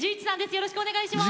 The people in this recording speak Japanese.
よろしくお願いします。